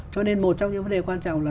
cho nên một trong những vấn đề quan trọng là